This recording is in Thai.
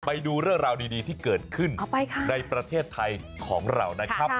ไปดูเรื่องราวดีที่เกิดขึ้นในประเทศไทยของเรานะครับ